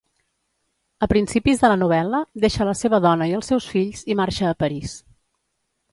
A principis de la novel·la, deixa la seva dona i els seus fills i marxa a París.